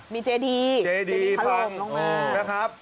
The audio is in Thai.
มีเจดีทะหรูปลงมา